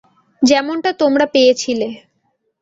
যেমনটা তোমরা পেয়েছিলে।